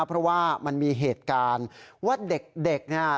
เพราะว่ามันมีเหตุการณ์ว่าเด็กเนี่ย